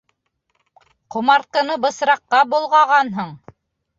Ҡомартҡыны бысраҡҡа болғағанһың!